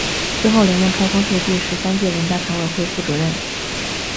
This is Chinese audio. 之后连任开封市第十三届人大常委会副主任。